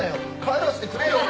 帰らせてくれよ。